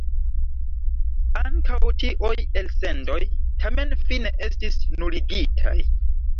Ankaŭ tiuj elsendoj tamen fine estis nuligitaj.